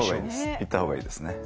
言った方がいいですね。